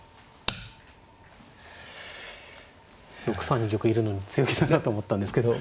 ６三玉いるのに強気だなと思ったんですけど。